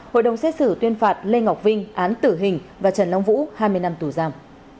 hội đồng xét xử tuyên phạt lê ngọc vinh án tử hình và trần long vũ hai mươi năm tù giam